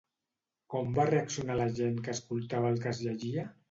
Com va reaccionar la gent que escoltava el que es llegia?